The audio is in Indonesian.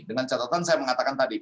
dengan catatan saya mengatakan tadi